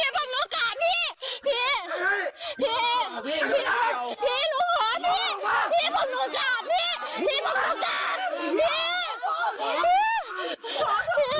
พี่พี่ผมหนูกะพี่